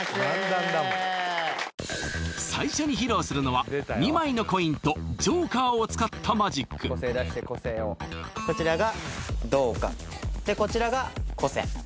最初に披露するのは２枚のコインとジョーカーを使ったマジックこちらが銅貨でこちらが古銭